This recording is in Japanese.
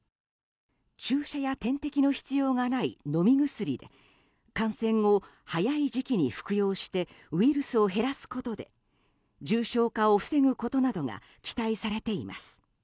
注射や点滴の必要がない飲み薬で感染後、早い時期に服用してウイルスを減らすことで重症化を防ぐことなどが期待されています。